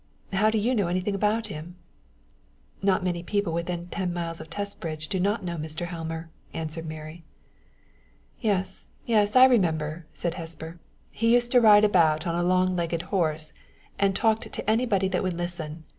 How do you know anything of him?" "Not many people within ten miles of Testbridge do not know Mr. Helmer," answered Mary. "Yes, yes, I remember," said Hesper. "He used to ride about on a long legged horse, and talked to anybody that would listen to him.